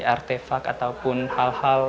artifak atau hal hal